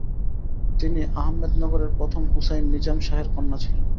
তিনি আহমেদনগরের প্রথম হুসাইন নিজাম শাহের কন্যা ছিলেন।